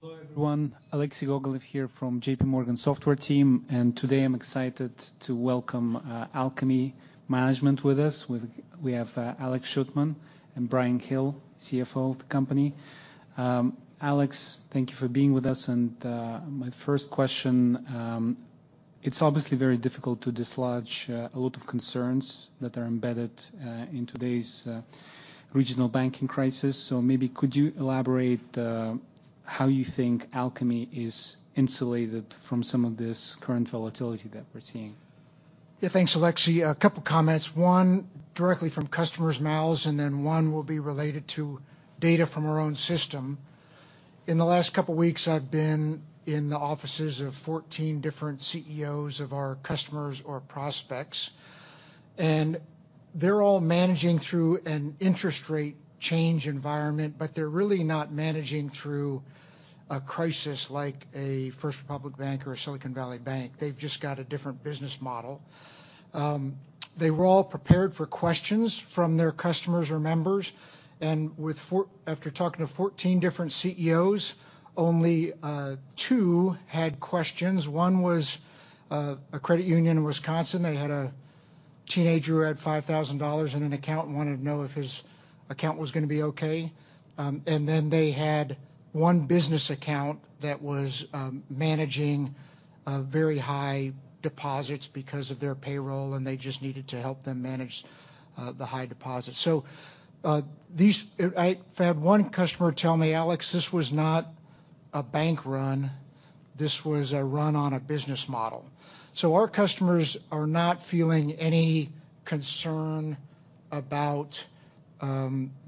Hello, everyone. Alexei Gogolev here from J.P. Morgan Software team. Today I'm excited to welcome Alkami management with us. We have Alex Shootman and Bryan Hill, CFO of the company. Alex, thank you for being with us. My first question, it's obviously very difficult to dislodge a lot of concerns that are embedded in today's regional banking crisis. Maybe could you elaborate how you think Alkami is insulated from some of this current volatility that we're seeing? Yeah. Thanks, Alexei. A couple comments. One directly from customers' mouths, and then one will be related to data from our own system. In the last couple weeks I've been in the offices of 14 different CEOs of our customers or prospects, and they're all managing through an interest rate change environment, but they're really not managing through a crisis like a First Republic Bank or a Silicon Valley Bank. They've just got a different business model. They were all prepared for questions from their customers or members. After talking to 14 different CEOs, only two had questions. One was a credit union in Wisconsin. They had a teenager who had $5,000 in an account and wanted to know if his account was gonna be okay. They had one business account that was managing very high deposits because of their payroll, and they just needed to help them manage the high deposits. I've had one customer tell me, "Alex, this was not a bank run. This was a run on a business model." Our customers are not feeling any concern about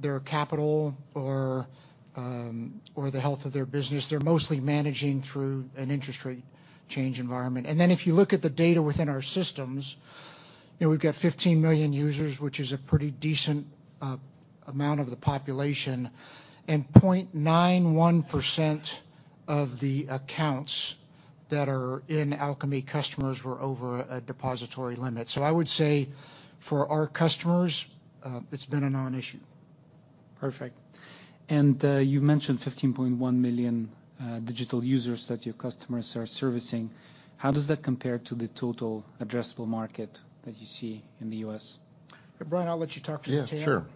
their capital or the health of their business. They're mostly managing through an interest rate change environment. If you look at the data within our systems, you know, we've got 15 million users, which is a pretty decent amount of the population. 0.91% of the accounts that are in Alkami, customers were over a depository limit. I would say for our customers, it's been a non-issue. Perfect. You've mentioned 15.1 million digital users that your customers are servicing. How does that compare to the total addressable market that you see in the U.S.? Bryan, I'll let you talk to. Yeah. Sure.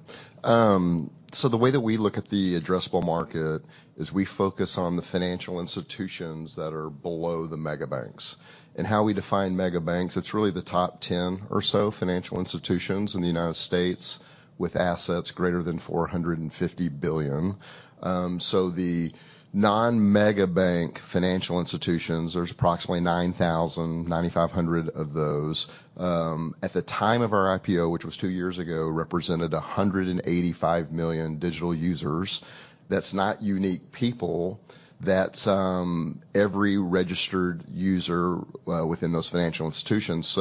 The way that we look at the addressable market is we focus on the financial institutions that are below the mega banks. How we define mega banks, it's really the top 10 or so financial institutions in the U.S. with assets greater than $450 billion. The non-mega bank financial institutions, there's approximately 9,000-9,500 of those. At the time of our IPO, which was two years ago, represented 185 million digital users. That's not unique people. That's every registered user within those financial institutions.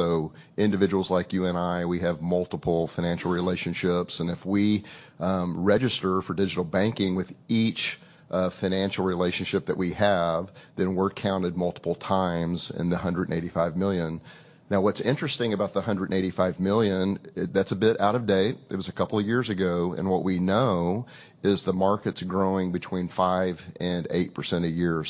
Individuals like you and I, we have multiple financial relationships, and if we register for digital banking with each financial relationship that we have, then we're counted multiple times in the 185 million. What's interesting about the $185 million, that's a bit out of date. It was a couple of years ago. What we know is the market's growing between 5%-8% a year.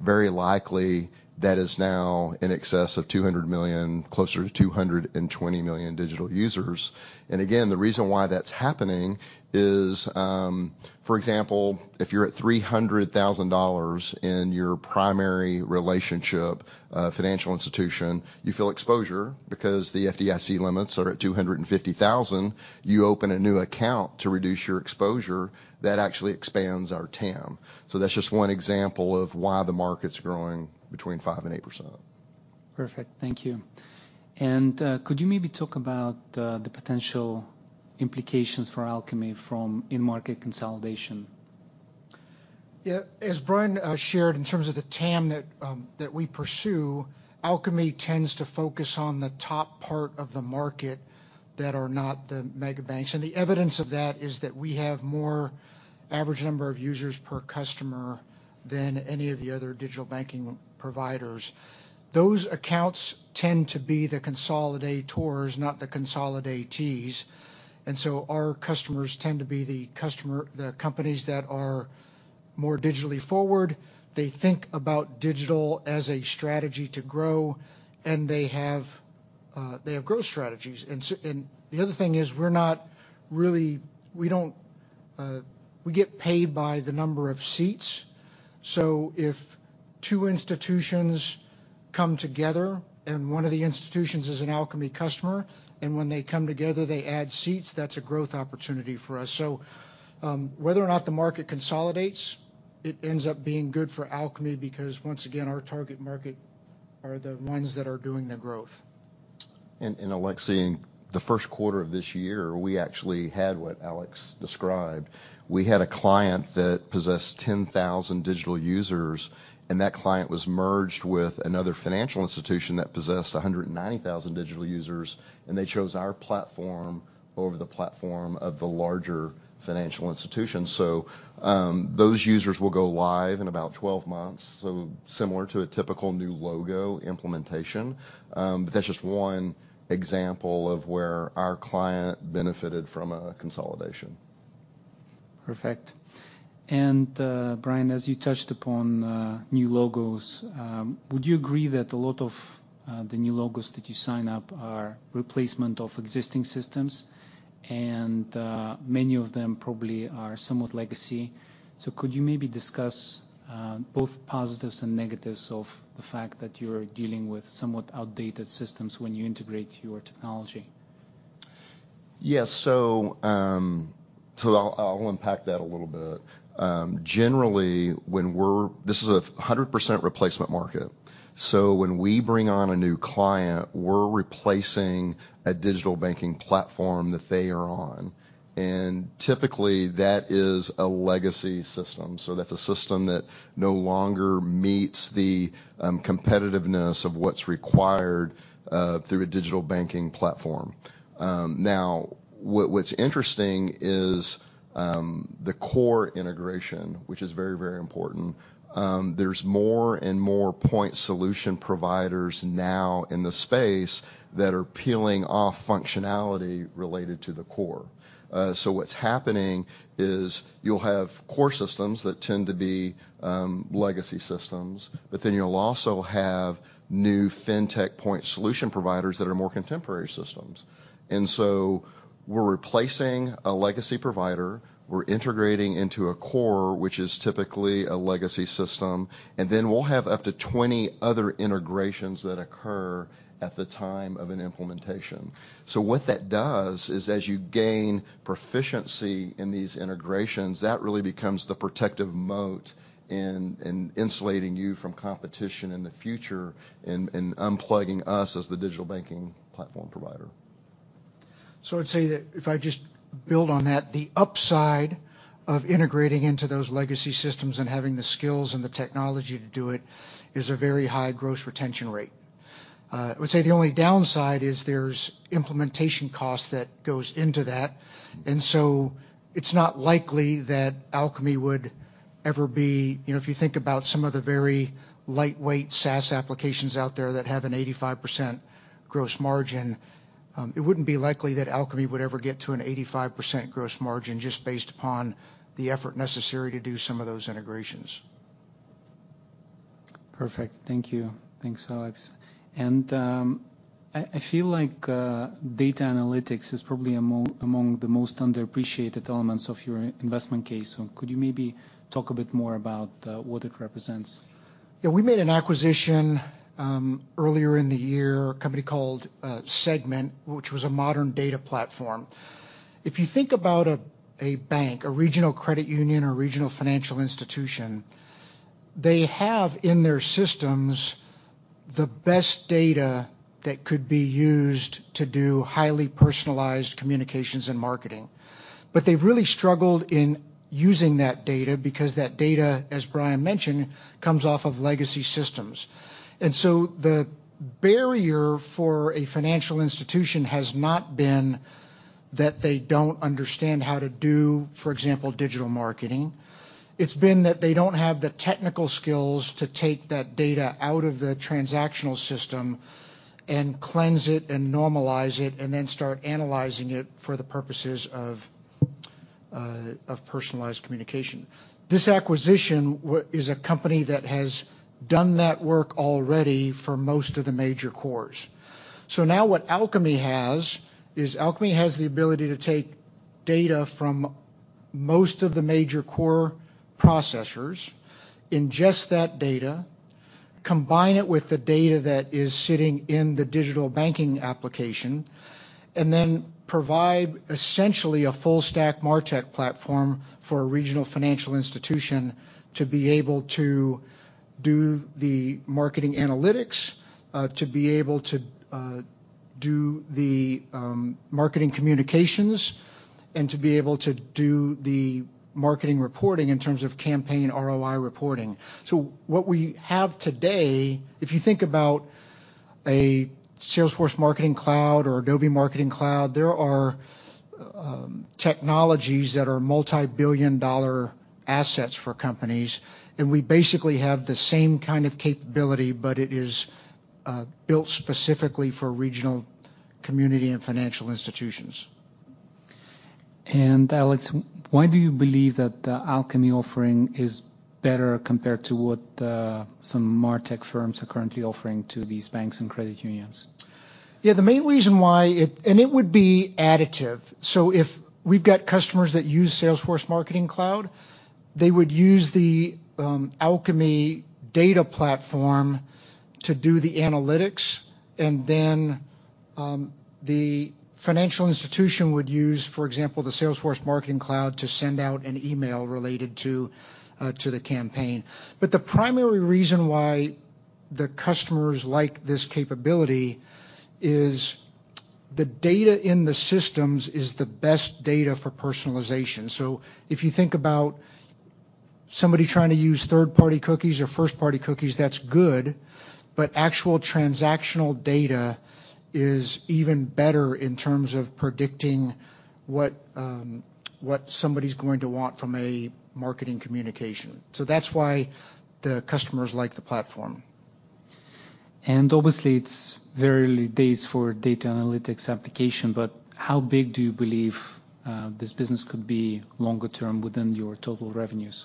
Very likely that is now in excess of $200 million, closer to $220 million digital users. The reason why that's happening is, for example, if you're at $300,000 in your primary relationship, financial institution, you feel exposure because the FDIC limits are at $250,000. You open a new account to reduce your exposure. That actually expands our TAM. That's just one example of why the market's growing between 5%-8%. Perfect. Thank you. Could you maybe talk about the potential implications for Alkami from in-market consolidation? Yeah. As Bryan Hill shared in terms of the TAM that we pursue, Alkami tends to focus on the top part of the market that are not the mega banks. The evidence of that is that we have more average number of users per customer than any of the other digital banking providers. Those accounts tend to be the consolidators, not the consolidates. Our customers tend to be the companies that are more digitally forward. They think about digital as a strategy to grow, and they have growth strategies. The other thing is, we get paid by the number of seats. If two institutions come together and one of the institutions is an Alkami customer, and when they come together, they add seats, that's a growth opportunity for us. Whether or not the market consolidates, it ends up being good for Alkami because once again, our target market are the ones that are doing the growth. Alexei, the first quarter of this year we actually had what Alex described. We had a client that possessed 10,000 digital users. That client was merged with another financial institution that possessed 190,000 digital users. They chose our platform over the platform of the larger financial institution. Those users will go live in about 12 months, so similar to a typical new logo implementation. That's just one example of where our client benefited from a consolidation. Perfect. Bryan, as you touched upon, new logos, would you agree that a lot of the new logos that you sign up are replacement of existing systems, and many of them probably are somewhat legacy. Could you maybe discuss, both positives and negatives of the fact that you're dealing with somewhat outdated systems when you integrate your technology? Yes. I'll unpack that a little bit. Generally, this is a 100% replacement market. When we bring on a new client, we're replacing a digital banking platform that they are on, and typically that is a legacy system. That's a system that no longer meets the competitiveness of what's required through a digital banking platform. Now what's interesting is the core integration, which is very important. There's more and more point solution providers now in the space that are peeling off functionality related to the core. What's happening is you'll have core systems that tend to be legacy systems, but then you'll also have new fintech point solution providers that are more contemporary systems. We're replacing a legacy provider, we're integrating into a core, which is typically a legacy system, and then we'll have up to 20 other integrations that occur at the time of an implementation. What that does is as you gain proficiency in these integrations, that really becomes the protective moat in insulating you from competition in the future and unplugging us as the digital banking platform provider. I'd say that if I just build on that, the upside of integrating into those legacy systems and having the skills and the technology to do it is a very high gross retention rate. I would say the only downside is there's implementation cost that goes into that. It's not likely that Alkami would ever be. You know, if you think about some of the very lightweight SaaS applications out there that have an 85% gross margin, it wouldn't be likely that Alkami would ever get to an 85% gross margin just based upon the effort necessary to do some of those integrations. Perfect. Thank you. Thanks, Alex. I feel like data analytics is probably among the most underappreciated elements of your investment case. Could you maybe talk a bit more about what it represents? Yeah. We made an acquisition earlier in the year, a company called Segmint, which was a modern data platform. If you think about a bank, a regional credit union, or regional financial institution, they have in their systems the best data that could be used to do highly personalized communications and marketing. But they've really struggled in using that data because that data, as Brian mentioned, comes off of legacy systems. The barrier for a financial institution has not been that they don't understand how to do, for example, digital marketing. It's been that they don't have the technical skills to take that data out of the transactional system and cleanse it and normalize it and then start analyzing it for the purposes of personalized communication. This acquisition is a company that has done that work already for most of the major cores. Now what Alkami has is Alkami has the ability to take data from most of the major core processors, ingest that data, combine it with the data that is sitting in the digital banking application, then provide essentially a full stack martech platform for a regional financial institution to be able to do the marketing analytics, to be able to do the marketing communications, and to be able to do the marketing reporting in terms of campaign ROI reporting. What we have today, if you think about a Salesforce Marketing Cloud or Adobe Marketing Cloud, there are technologies that are multi-billion dollar assets for companies, and we basically have the same kind of capability, but it is built specifically for regional community and financial institutions. Alex, why do you believe that the Alkami offering is better compared to what some martech firms are currently offering to these banks and credit unions? The main reason why it would be additive. If we've got customers that use Salesforce Marketing Cloud, they would use the Alkami data platform to do the analytics. The financial institution would use, for example, the Salesforce Marketing Cloud to send out an email related to the campaign. The primary reason why the customers like this capability is the data in the systems is the best data for personalization. If you think about somebody trying to use third-party cookies or first-party cookies, that's good, but actual transactional data is even better in terms of predicting what somebody's going to want from a marketing communication. That's why the customers like the platform. Obviously it's very early days for data analytics application, but how big do you believe this business could be longer term within your total revenues?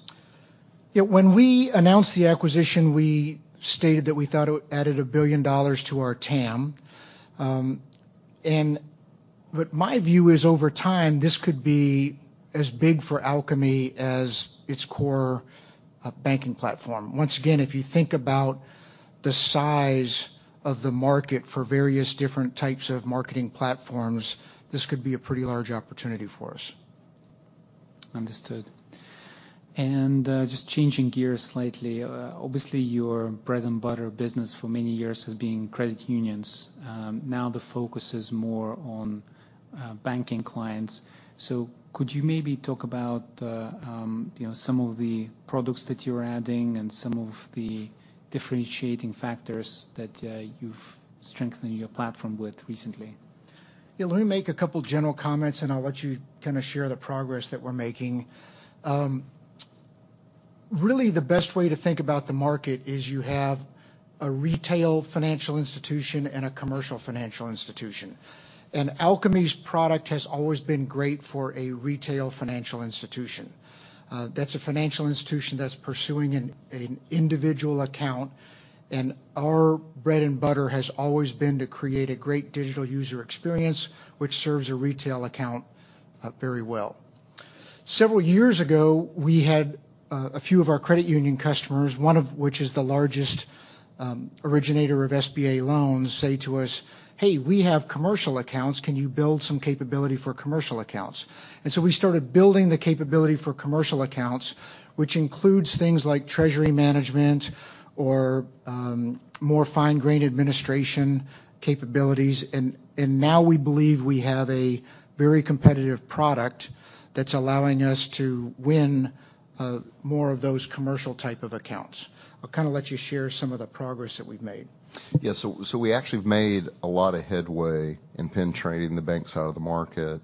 When we announced the acquisition, we stated that we thought it added $1 billion to our TAM. My view is over time, this could be as big for Alkami as its core, banking platform. Once again, if you think about the size of the market for various different types of marketing platforms, this could be a pretty large opportunity for us. Understood. Just changing gears slightly, obviously your bread and butter business for many years has been credit unions. Now the focus is more on banking clients. Could you maybe talk about, you know, some of the products that you're adding and some of the differentiating factors that you've strengthened your platform with recently? Yeah. Let me make a couple general comments, and I'll let you kind of share the progress that we're making. Really the best way to think about the market is you have a retail financial institution and a commercial financial institution. Alkami's product has always been great for a retail financial institution. That's a financial institution that's pursuing an individual account, and our bread and butter has always been to create a great digital user experience which serves a retail account very well. Several years ago, we had a few of our credit union customers, one of which is the largest originator of SBA loans, say to us, "Hey, we have commercial accounts." Can you build some capability for commercial accounts? We started building the capability for commercial accounts, which includes things like treasury management or more fine-grained administration capabilities. Now we believe we have a very competitive product that's allowing us to win more of those commercial type of accounts. I'll kind of let you share some of the progress that we've made. Yeah. We actually have made a lot of headway in penetrating the banks out of the market.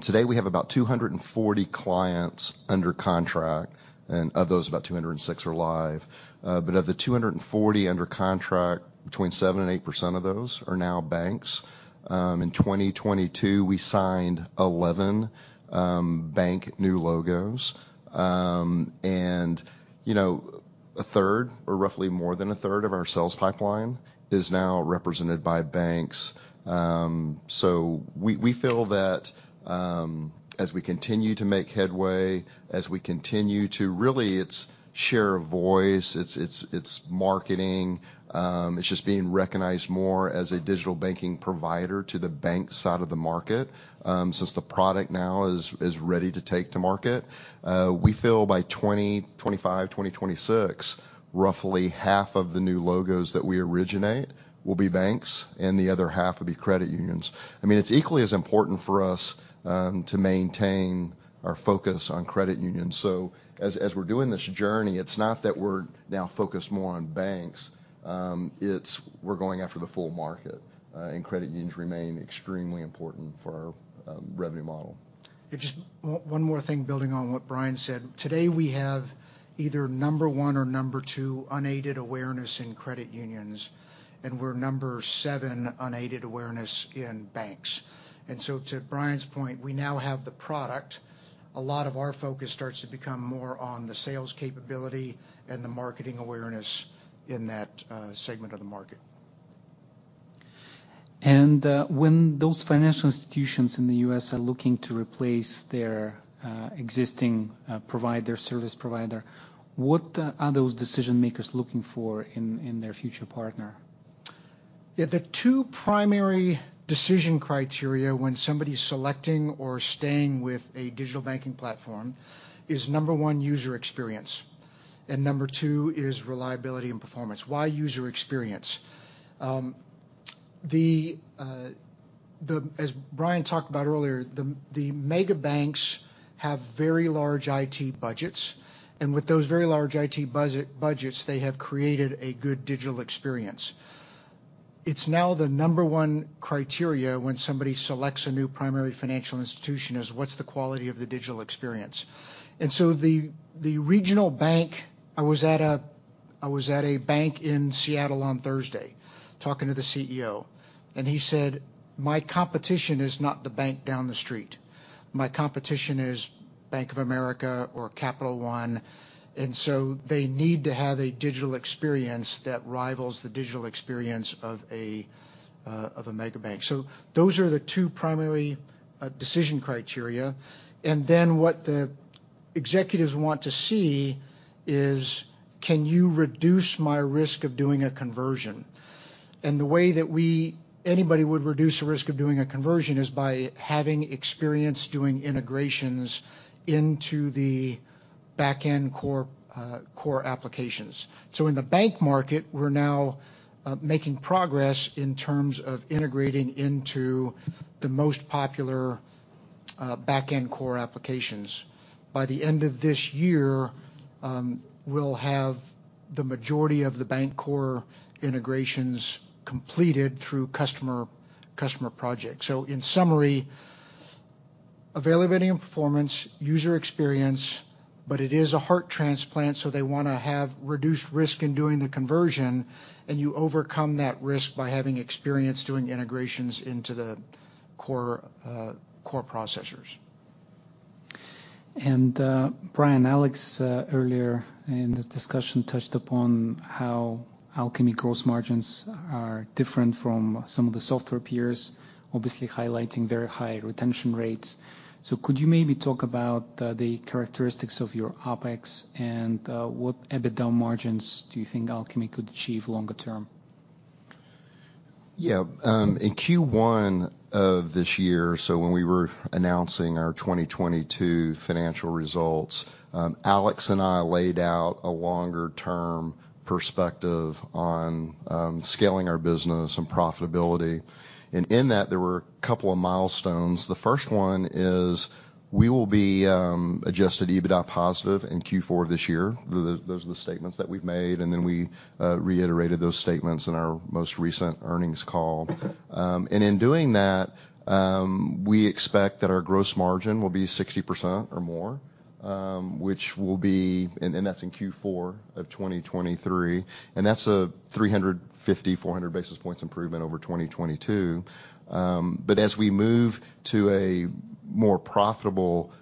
Today we have about 240 clients under contract, and of those about 206 are live. Of the 240 under contract, between 7%-8% of those are now banks. In 2022 we signed 11 bank new logos. You know, 1/3 or roughly more than 1/3 of our sales pipeline is now represented by banks. We feel that as we continue to make headway, as we continue to really, it's share a voice, it's marketing, it's just being recognized more as a digital banking provider to the bank side of the market, since the product now is ready to take to market. We feel by 2025, 2026, roughly half of the new logos that we originate will be banks, and the other half will be credit unions. I mean, it's equally as important for us to maintain our focus on credit unions. As we're doing this journey, it's not that we're now focused more on banks. It's we're going after the full market, and credit unions remain extremely important for our revenue model. Yeah. Just one more thing building on what Bryan said. Today we have either one or two unaided awareness in credit unions, and we're seven unaided awareness in banks. To Bryan's point, we now have the product. A lot of our focus starts to become more on the sales capability and the marketing awareness in that segment of the market. When those financial institutions in the US are looking to replace their, existing, provider, service provider, what are those decision-makers looking for in their future partner? Yeah. The two primary decision criteria when somebody's selecting or staying with a digital banking platform is, number one, user experience, and number two is reliability and performance. Why user experience? As Bryan talked about earlier, the mega banks have very large IT budgets, and with those very large IT budgets, they have created a good digital experience. It's now the number one criteria when somebody selects a new primary financial institution is what's the quality of the digital experience. The regional bank. I was at a bank in Seattle on Thursday talking to the CEO. He said, "My competition is not the bank down the street. My competition is Bank of America or Capital One." They need to have a digital experience that rivals the digital experience of a of a mega bank. Those are the two primary decision criteria. What the executives want to see is, "Can you reduce my risk of doing a conversion?" The way that anybody would reduce the risk of doing a conversion is by having experience doing integrations into the back-end core core applications. In the bank market, we're now making progress in terms of integrating into the most popular back-end core applications. By the end of this year, we'll have the majority of the bank core integrations completed through customer projects. In summary, Availability and performance, user experience, but it is a heart transplant, so they wanna have reduced risk in doing the conversion, and you overcome that risk by having experience doing integrations into the core processors. Bryan, Alex, earlier in this discussion touched upon how Alkami gross margins are different from some of the software peers, obviously highlighting very high retention rates. Could you maybe talk about the characteristics of your OPEX and, what EBITDA margins do you think Alkami could achieve longer term? Yeah. In Q1 of this year, so when we were announcing our 2022 financial results, Alex and I laid out a longer term perspective on scaling our business and profitability. In that, there were a couple of milestones. The first one is we will be adjusted EBITDA positive in Q4 this year. Those are the statements that we've made, and then we reiterated those statements in our most recent earnings call. In doing that, we expect that our gross margin will be 60% or more, which will be... That's in Q4 of 2023, and that's a 350-400 basis points improvement over 2022. As we move to a more profitable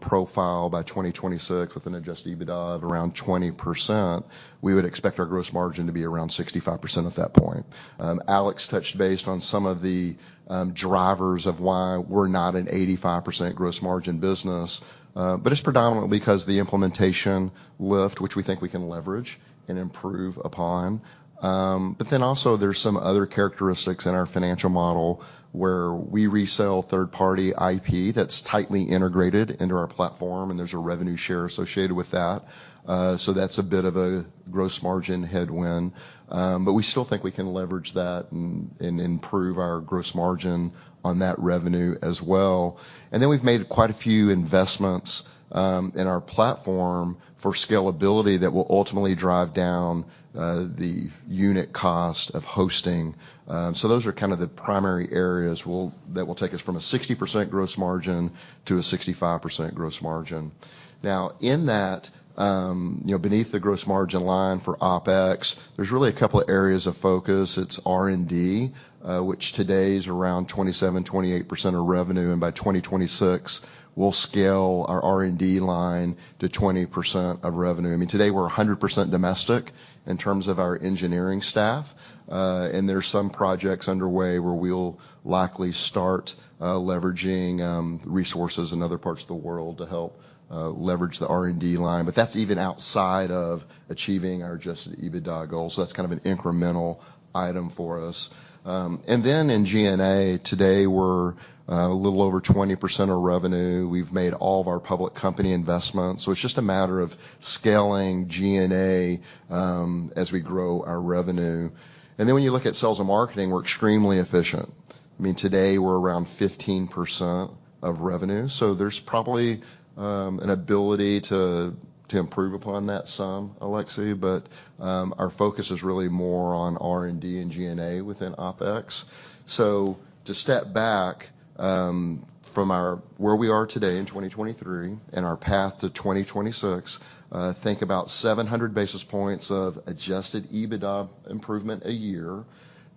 profile by 2026 with an adjusted EBITDA of around 20%, we would expect our gross margin to be around 65% at that point. Alex touched base on some of the drivers of why we're not an 85% gross margin business, it's predominantly because the implementation lift, which we think we can leverage and improve upon. Also there's some other characteristics in our financial model, where we resell third party IP that's tightly integrated into our platform, and there's a revenue share associated with that. That's a bit of a gross margin headwind. We still think we can leverage that and improve our gross margin on that revenue as well. We've made quite a few investments in our platform for scalability that will ultimately drive down the unit cost of hosting. Those are kind of the primary areas that will take us from a 60% gross margin to a 65% gross margin. Now, in that, you know, beneath the gross margin line for OPEX, there's really a couple of areas of focus. It's R&D, which today is around 27%, 28% of revenue, and by 2026, we'll scale our R&D line to 20% of revenue. I mean, today, we're 100% domestic in terms of our engineering staff. There's some projects underway where we'll likely start leveraging resources in other parts of the world to help leverage the R&D line. That's even outside of achieving our adjusted EBITDA goals. That's kind of an incremental item for us. In G&A, today we're a little over 20% of revenue. We've made all of our public company investments. It's just a matter of scaling G&A as we grow our revenue. When you look at sales and marketing, we're extremely efficient. I mean, today, we're around 15% of revenue. There's probably an ability to improve upon that some, Alexi, but our focus is really more on R&D and G&A within OPEX. To step back from where we are today in 2023 and our path to 2026, think about 700 basis points of adjusted EBITDA improvement a year,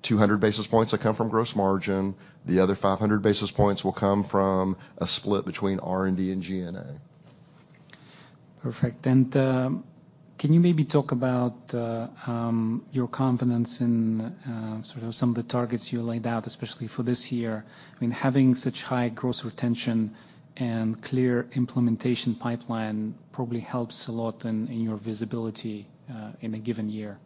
200 basis points that come from gross margin. The other 500 basis points will come from a split between R&D and G&A. Perfect. Can you maybe talk about your confidence in sort of some of the targets you laid out, especially for this year? I mean, having such high gross retention and clear implementation pipeline probably helps a lot in your visibility in a given year.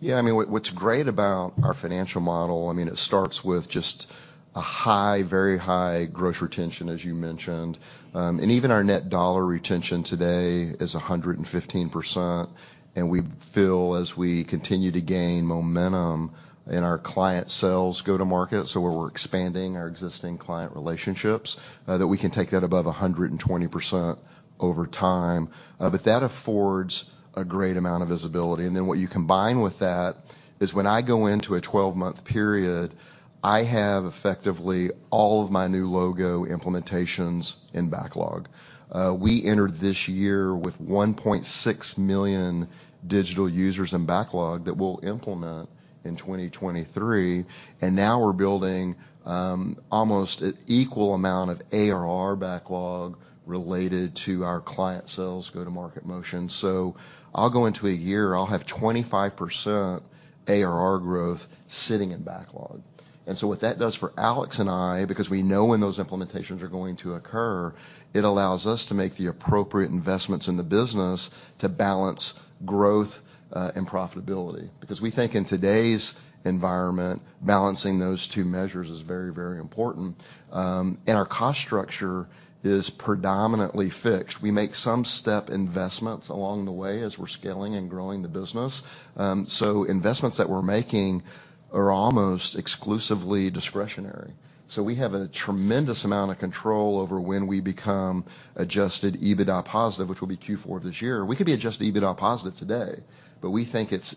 Yeah. I mean, what's great about our financial model, I mean, it starts with just a high, very high gross retention, as you mentioned. Even our net dollar retention today is 115%, and we feel as we continue to gain momentum and our client sales go to market, so where we're expanding our existing client relationships, that we can take that above 120% over time. That affords a great amount of visibility. What you combine with that is when I go into a 12-month period, I have effectively all of my new logo implementations in backlog. We entered this year with 1.6 million digital users in backlog that we'll implement in 2023. Now we're building almost an equal amount of ARR backlog related to our client sales go-to-market motion. I'll go into a year, I'll have 25% ARR growth sitting in backlog. What that does for Alex and I, because we know when those implementations are going to occur, it allows us to make the appropriate investments in the business to balance growth and profitability. We think in today's environment, balancing those two measures is very, very important. Our cost structure is predominantly fixed. We make some step investments along the way as we're scaling and growing the business. Investments that we're making are almost exclusively discretionary. We have a tremendous amount of control over when we become adjusted EBITDA positive, which will be Q4 this year. We could be adjusted EBITDA positive today, but we think it's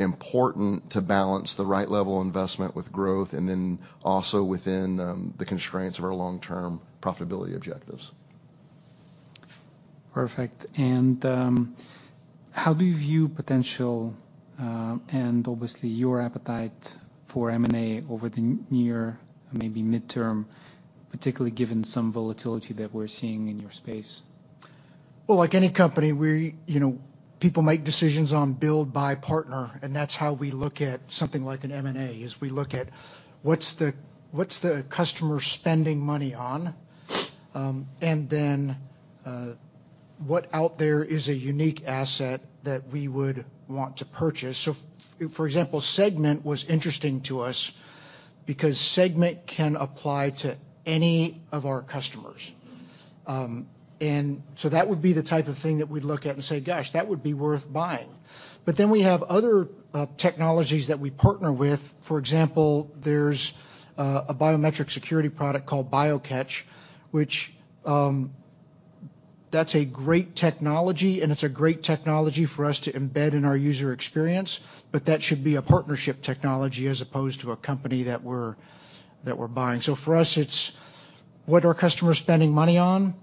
important to balance the right level of investment with growth and then also within the constraints of our long-term profitability objectives. Perfect. How do you view potential, and obviously your appetite for M&A over the near, maybe midterm, particularly given some volatility that we're seeing in your space? Like any company, we, you know, people make decisions on build by partner, and that's how we look at something like an M&A, is we look at what's the customer spending money on? What out there is a unique asset that we would want to purchase? For example, Segmint was interesting to us because Segmint can apply to any of our customers. That would be the type of thing that we'd look at and say, "Gosh, that would be worth buying." We have other technologies that we partner with. For example, there's a biometric security product called BioCatch, which that's a great technology, and it's a great technology for us to embed in our user experience, but that should be a partnership technology as opposed to a company that we're buying. For us, it's what are customers spending money on?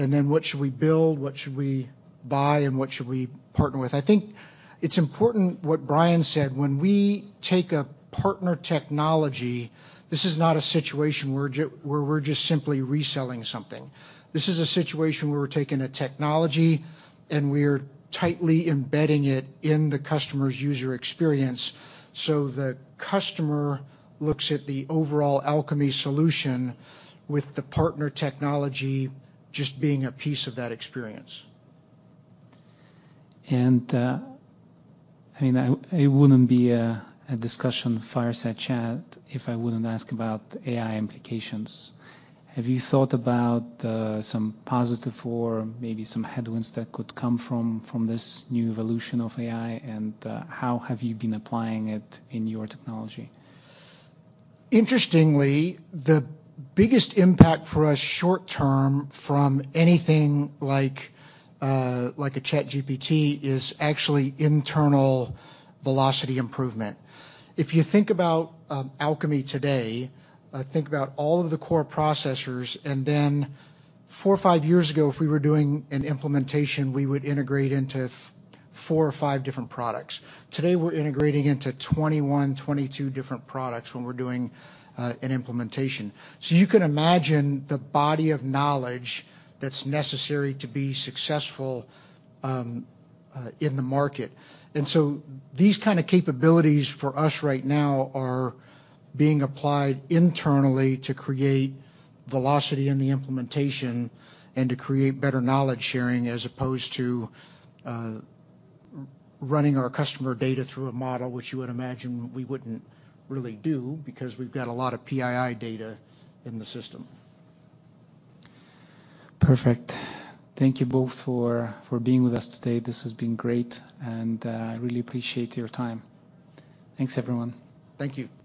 What should we build? What should we buy, and what should we partner with? I think it's important what Bryan said. When we take a partner technology, this is not a situation where we're just simply reselling something. This is a situation where we're taking a technology, and we're tightly embedding it in the customer's user experience, so the customer looks at the overall Alkami solution with the partner technology just being a piece of that experience. I mean, I, it wouldn't be a discussion Fireside Chat if I wouldn't ask about AI implications. Have you thought about some positive or maybe some headwinds that could come from this new evolution of AI, how have you been applying it in your technology? Interestingly, the biggest impact for us short term from anything like a ChatGPT is actually internal velocity improvement. If you think about Alkami today, think about all of the core processors, and then four or five years ago, if we were doing an implementation, we would integrate into four or five different products. Today, we're integrating into 21, 22 different products when we're doing an implementation. You can imagine the body of knowledge that's necessary to be successful in the market. These kind of capabilities for us right now are being applied internally to create velocity in the implementation and to create better knowledge sharing as opposed to running our customer data through a model which you would imagine we wouldn't really do because we've got a lot of PII data in the system. Perfect. Thank you both for being with us today. This has been great, and I really appreciate your time. Thanks, everyone. Thank you.